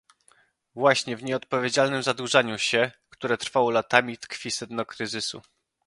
Właśnie w nieodpowiedzialnym zadłużaniu się, które trwało latami, tkwi sedno kryzysu